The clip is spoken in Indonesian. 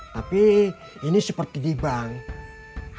tapi ini seperti di bank